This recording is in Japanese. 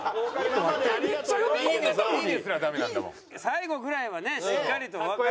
最後ぐらいはねしっかりとお別れして。